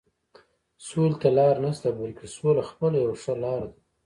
سولې ته لاره نشته، بلکې سوله خپله یوه ښه لاره ده.